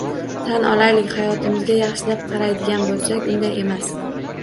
Tan olaylik, hayotimizga yaxshilab qaraydigan bo‘lsak, unday emas